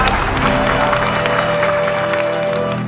ไม่ใช่นะครับ